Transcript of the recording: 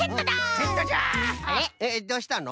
ええっどうしたの？